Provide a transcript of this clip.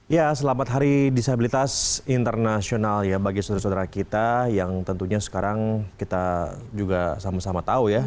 ya selamat hari disabilitas internasional ya bagi saudara saudara kita yang tentunya sekarang kita juga sama sama tahu ya